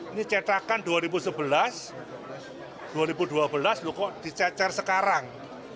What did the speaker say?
ini cetakan dua ribu sebelas dua ribu dua belas loh kok dicecer sekarang